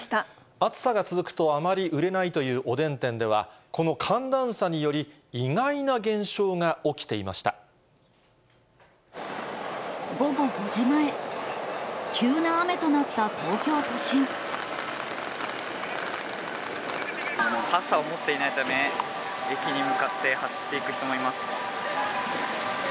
暑さが続くとあまり売れないというおでん店では、この寒暖差により、意外な現象が起きていま午後５時前、急な雨となった傘を持っていないため、駅に向かって走っていく人もいます。